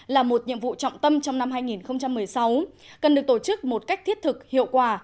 là một nhiệm vụ trọng tâm trong năm hai nghìn một mươi sáu cần được tổ chức một cách thiết thực hiệu quả